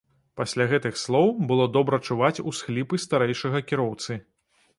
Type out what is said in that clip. Пасля гэтых слоў было добра чуваць усхліпы старэйшага кіроўцы.